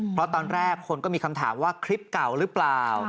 เพราะตอนแรกคนก็มีคำถามว่าคลิปเก่าหรือเปล่า